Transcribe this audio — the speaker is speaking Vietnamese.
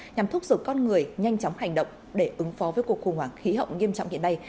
nhằm thúc giữ con người nhanh chóng hành động để ứng phó với cuộc khủng hoảng khí hậu nghiêm trọng hiện nay